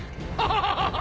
ハハハハ。